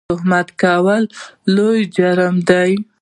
تهمت کول لوی جرم دی